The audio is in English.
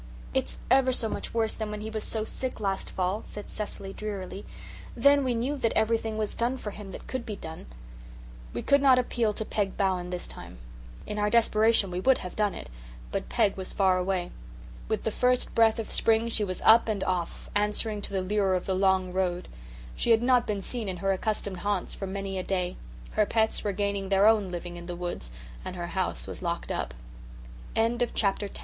"It's ever so much worse than when he was so sick last fall," said Cecily drearily. "Then we knew that everything was done for him that could be done." We could not appeal to Peg Bowen this time. In our desperation we would have done it, but Peg was far away. With the first breath of spring she was up and off, answering to the lure of the long road. She had not been seen in her accustomed haunts for many a day. Her pets were gaining their own living in the woods and her house was locked up. CHAPTER XI.